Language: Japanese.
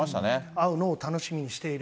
会うのを楽しみにしている。